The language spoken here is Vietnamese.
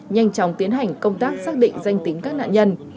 nhanh chóng tiến hành công tác xác định danh tính các nạn nhân